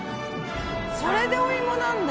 それでお芋なんだ。